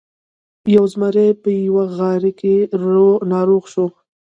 یو زمری په یوه غار کې ناروغ شو.